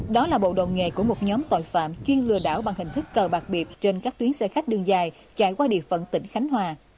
đó là bộ đồ nghề của một nhóm tội phạm chuyên lừa đảo bằng hình thức cờ bạc trên các tuyến xe khách đường dài chạy qua địa phận tỉnh khánh hòa